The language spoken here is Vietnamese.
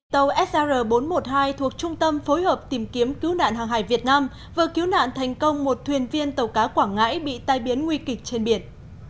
tàu sr bốn trăm một mươi hai thuộc trung tâm phối hợp tìm kiếm cứu nạn hàng hải việt nam vừa cứu nạn thành công một thuyền viên tàu cá quảng ngãi bị tai biến nguy kịch trên biển